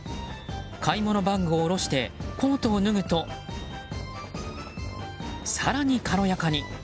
買い物バッグを下してコートを脱ぐと更に軽やかに。